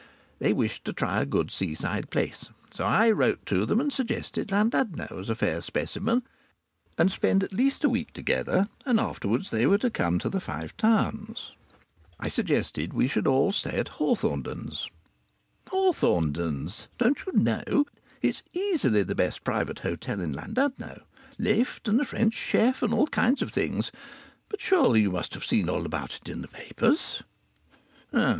They wished to try a good seaside place, so I wrote to them and suggested Llandudno as a fair specimen, and it was arranged that we should meet there and spend at least a week together, and afterwards they were to come to the Five Towns. I suggested we should all stay at Hawthornden's ... Hawthornden's? Don't you know it's easily the best private hotel in Llandudno. Lift and a French chef and all kinds of things; but surely you must have seen all about it in the papers!